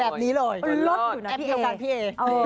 แอปทำการพี่เอ๋